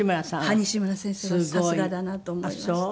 西村先生はさすがだなと思いました。